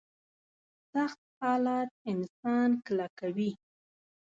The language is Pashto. سخت حالات انسان کلکوي.